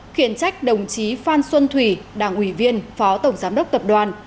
khiển trách đồng chí phan xuân thủy đảng ủy viên phó tổng giám đốc tập đoàn